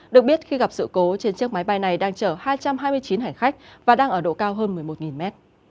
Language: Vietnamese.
được biết khi gặp sự cố trên chiếc máy bay này đang chở hai trăm hai mươi chín hành khách và đang ở độ cao hơn một mươi một mét